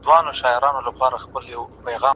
که موږ یو موټی سوو .